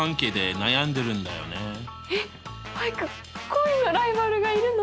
えっアイク恋のライバルがいるの？